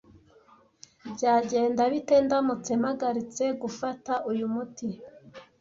Byagenda bite ndamutse mpagaritse gufata uyu muti?